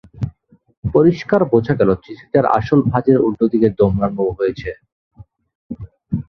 পরিস্কার বোঝা গেল চিঠিটার আসল ভাজের উল্টোদিকে দোমড়ানো হয়েছে।